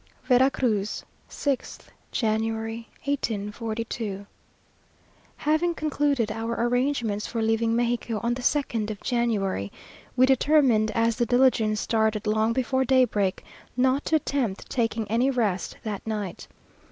VERA CRUZ, 6th January, 1842. Having concluded our arrangements for leaving Mexico on the 2nd of January, we determined, as the diligence started long before daybreak, not to attempt taking any rest that night.